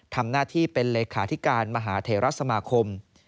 ทำหน้าที่เป็นเลขาธิการมหาเทราสมาคม